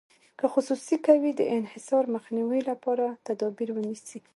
که خصوصي کوي د انحصار مخنیوي لپاره تدابیر ونیسي.